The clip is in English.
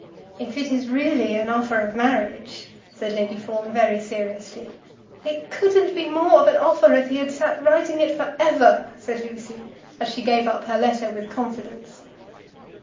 "If it is really an offer of marriage ," said Lady Fawn very seriously. "It couldn't be more of an offer if he had sat writing it for ever," said Lucy as she gave up her letter with confidence.